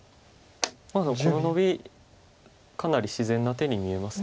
でもこのノビかなり自然な手に見えます。